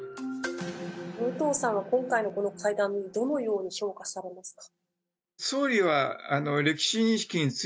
武藤さんは今回のこの会談をどのように評価されますか？